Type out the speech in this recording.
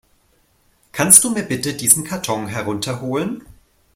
Kannst du mir bitte diesen Karton herunter holen?